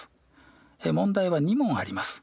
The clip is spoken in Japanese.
問題は２問あります。